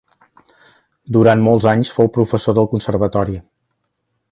Durant molts anys fou professor del Conservatori.